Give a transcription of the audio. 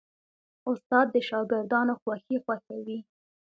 استاد د شاګردانو خوښي خوښوي.